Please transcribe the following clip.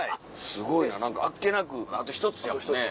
すごいな何かあっけなくあと１つやもんね。